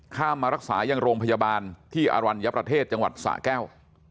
ข้ามมารักษายังโรงพยาบาลที่อรรวรรณยประเทศจังหวัดสระแก้ว